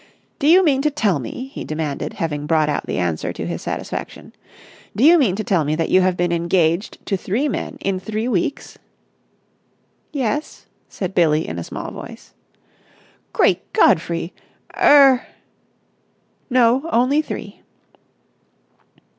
"Do you mean to tell me," he demanded, having brought out the answer to his satisfaction, "do you mean to tell me that you have been engaged to three men in three weeks?" "Yes," said Billie in a small voice. "Great Godfrey! Er——?" "No, only three."